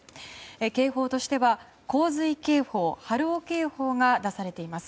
警報としては洪水警報波浪警報が出されています。